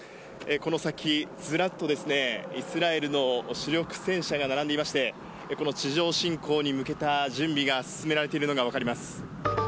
この先、ずらっと、イスラエルの主力戦車が並んでいまして、この地上侵攻に向けた準備が進められているのが分かります。